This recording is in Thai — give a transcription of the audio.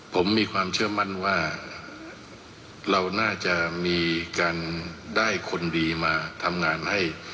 ผมมีความเชื่อมั่นว่าเราน่าจะมีการได้คนดีมาทำงานให้